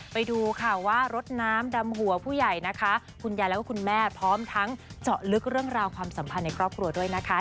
ไปดูค่ะว่ารถน้ำดำหัวผู้ใหญ่นะคะคุณยายแล้วก็คุณแม่พร้อมทั้งเจาะลึกเรื่องราวความสัมพันธ์ในครอบครัวด้วยนะคะ